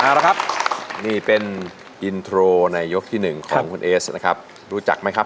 เอาละครับนี่เป็นอินโทรในยกที่หนึ่งของคุณเอสนะครับรู้จักไหมครับ